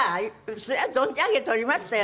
それは存じ上げておりましたよ。